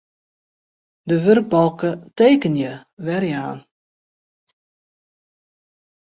De wurkbalke Tekenje werjaan.